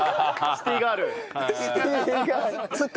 シティーガールと。